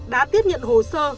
đã tiếp nhận hồ sơ